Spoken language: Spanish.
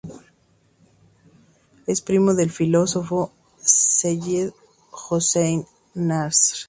Es primo del filósofo Seyyed Hossein Nasr.